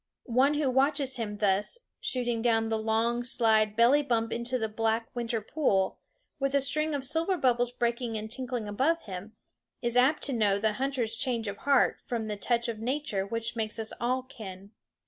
One who watches him thus, shooting down the long slide belly bump into the black winter pool, with a string of silver bubbles breaking and tinkling above him, is apt to know the hunter's change of heart from the touch of Nature which makes us all kin.